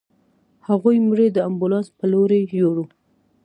هغوی مړی د امبولانس په لورې يووړ.